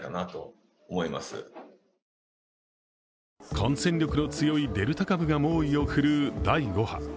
感染力の強いデルタ株が猛威を振るう第５波。